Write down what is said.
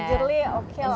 jujurly oke lah